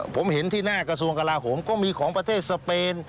ผมเห็นที่หน้ากระทรวงกลาโหมก็มีของประเทศสเปน